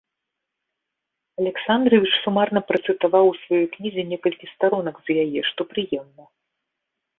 Аляксандравіч сумарна працытаваў у сваёй кнізе некалькі старонак з яе, што прыемна.